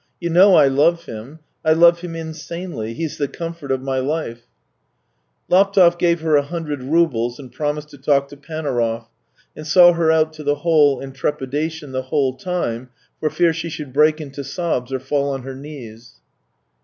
You know I love him — I love him insanely; he's the comfort of my life." THREE YEARS 293 Laptev gave her a hundred roubles, and promised to talk to Panaurov, and saw her out to the hall in trepidation the whole time, for fear she should break into sobs or fall on her knees.